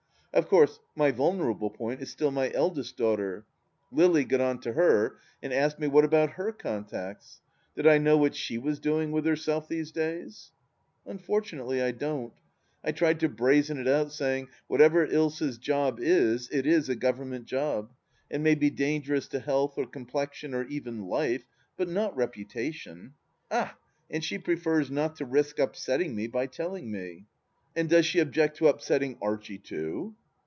Of course my vulnerable point is still my eldest daughter. Lily got on to her, and asked me what about her contacts ? Did I know what she was doing with herself these days ? Unfortimately, I don't. I tried to brazen it out, saying :" Whatever Ilsa's job is, it is a Government job, and may be dangerous to health or complexion or even life, but not reputation. Ah 1 — and she prefers not to risk upsetting me by telling me." "And does she object to upsetting Archie, too